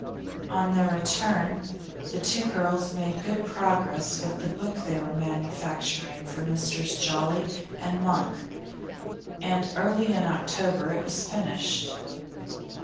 On their return, the two girls made good progress with the book they were manufacturing for Messrs Jolly and Monk, and early in October it was finished.